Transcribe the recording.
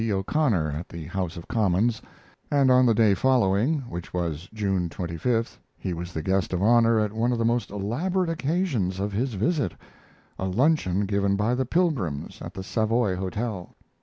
O'Connor at the House of Commons, and on the day following, which was June a 5th, he was the guest of honor at one of the most elaborate occasions of his visit a luncheon given by the Pilgrims at the Savoy Hotel.